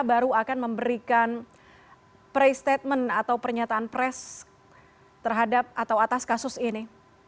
baru akan memberikan pre statement atau pernyataan pres terhadap atau atas kasus ini